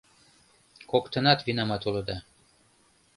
Коктынат винамат улыда.